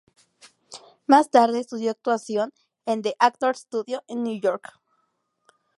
Más tarde estudió actuación en The Actors Studio en Nueva York.